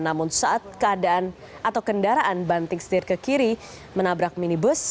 namun saat keadaan atau kendaraan banting setir ke kiri menabrak minibus